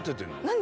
何！？